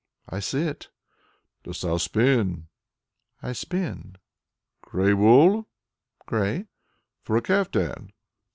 "I sit." "Dost thou spin?" "I spin." "Grey wool?" "Grey." "For a caftan?"